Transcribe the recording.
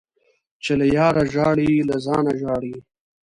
چي له ياره ژاړې ، له ځانه ژاړې.